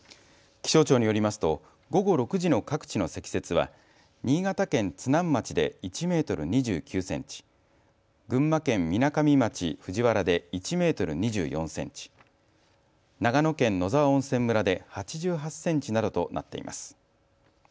気象庁によりますと午後６時の各地の積雪は新潟県津南町で１メートル２９センチ、群馬県みなかみ町藤原で１メートル２４センチ、長野県野沢温泉村で８８センチなどとなっています。